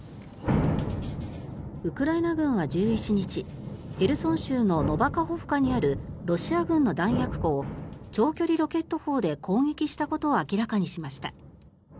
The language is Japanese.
ウクライナ軍は１１日ヘルソン州のノバカホフカにあるロシア軍の弾薬庫を長距離ロケット砲で攻撃したことを明らかにしました。